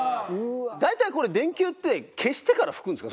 大体これ電球って消してから拭くんですか？